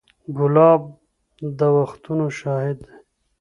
ګلاب د وختونو شاهد دی.